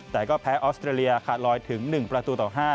แต่ก็แพ้ออสเตรเลียขาดลอยถึง๑ประตูต่อ๕